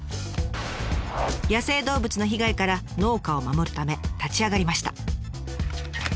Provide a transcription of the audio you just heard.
野生動物の被害から農家を守るため立ち上がりました。